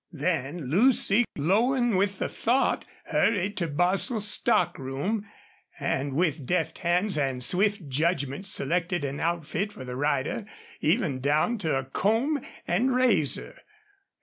Then Lucy, glowing with the thought, hurried to Bostil's stock room, and with deft hands and swift judgment selected an outfit for the rider, even down to a comb and razor.